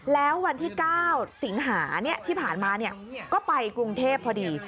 แล้ววันที่๙สิงหาที่ผ่านมาก็ไปกรุงเทพพอดี